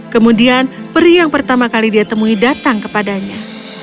kemudian peri yang pertama kali dia temui datang kepadanya